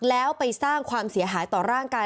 แล้วไปสร้างความเสียหายต่อร่างกาย